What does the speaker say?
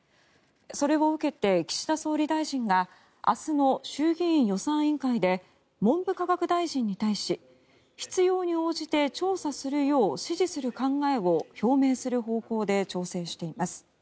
それを受けて岸田総理大臣が明日の衆議院予算委員会で文部科学大臣に対し必要に応じて調査するよう指示する考えを表明する方向で調整しています。